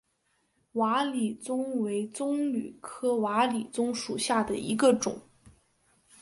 瓦理棕为棕榈科瓦理棕属下的一个种。